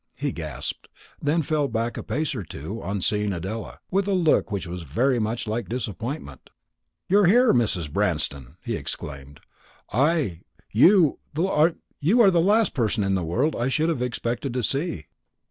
he gasped, and then fell back a pace or two on seeing Adela, with a look which was very much like disappointment. "You here, Mrs. Branston!" he exclaimed; "I you are the last person in the world I should have expected to see."